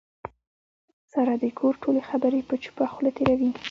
ساره د کور ټولې خبرې په چوپه خوله تېروي.